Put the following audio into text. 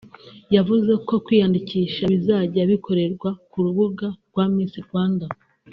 yavuze ko kwiyandikisha bizajya bikorerwa ku rubuga rwa Miss Rwanda